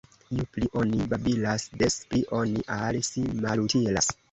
Ju pli oni babilas, des pli oni al si malutilas.